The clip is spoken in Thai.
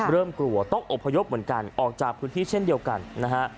กลัวต้องอบพยพเหมือนกันออกจากพื้นที่เช่นเดียวกันนะฮะ